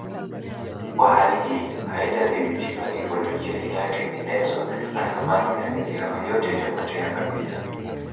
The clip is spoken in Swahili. Kama hali hii haitadhibitiwa ikolojia inayotengenezwa na samaki na ndege hawa yote itapotea kabisa